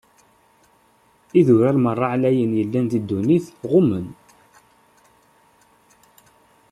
Idurar meṛṛa ɛlayen yellan di ddunit, ɣummen.